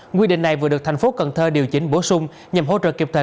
quy định này vừa được thành phố cần thơ điều chỉnh bổ sung nhằm hỗ trợ kịp thời